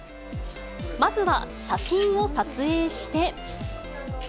まずは写真を撮影して。